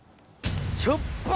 しょっぱ！